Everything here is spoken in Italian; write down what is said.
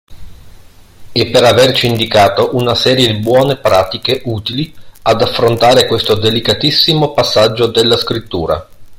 E per averci indicato una serie di buone pratiche utili ad affrontare questo delicatissimo passaggio della scrittura.